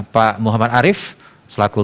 pak muhammad arief selaku